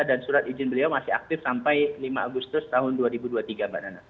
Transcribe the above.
dan surat ijin beliau masih aktif sampai lima agustus tahun dua ribu dua puluh tiga pak nama